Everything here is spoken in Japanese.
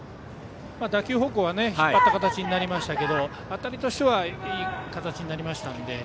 打球方向は引っ張った形になりましたが当たりとしてはいい形になりましたので。